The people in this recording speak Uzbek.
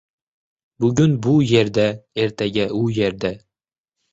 Bugun bu yerda, ertaga u yerda.